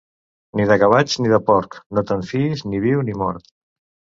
Ni de gavatx ni de porc, no te'n fiïs ni viu ni mort.